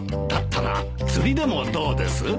だったら釣りでもどうです？